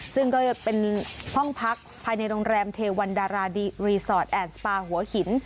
ซึ่งก็เป็นห้องพักภายในโรงแรมเทวันดาราดีรีสอร์ทแอดสปาหัวหิน